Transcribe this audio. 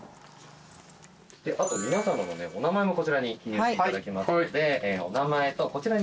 あと皆さまのお名前もこちらに記入していただきますのでお名前とこちらに。